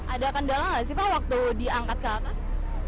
ada kendala nggak sih pak waktu diangkat ke atas